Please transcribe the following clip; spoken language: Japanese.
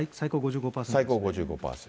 最高５５％。